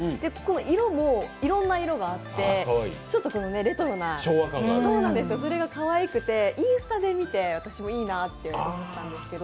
色もいろんな色があってちょっとレトロなのもかわいくてインスタで見て、私もいいなと思ったんですけど、